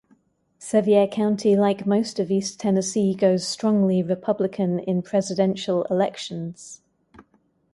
Sevier County, like most of East Tennessee, goes strongly Republican in Presidential elections.